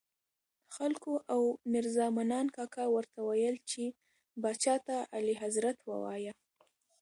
خلکو او میرزا منان کاکا ورته ویل چې پاچا ته اعلیحضرت ووایه.